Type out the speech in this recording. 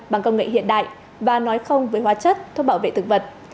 bằng công nghệ hiện đại và nói không với hóa chất thuốc bảo vệ thực vật